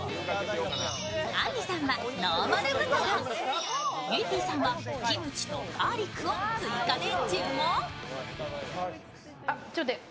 あんりさんはノーマル豚丼、ゆいＰさんはキムチとガーリックを追加で注文。